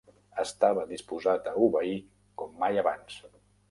Estava disposat a obeir com mai abans.